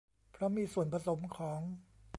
เพราะมีส่วนผสมของ